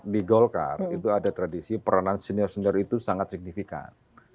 di golkar itu ada tradisi peranan senior senior itu sangat signifikan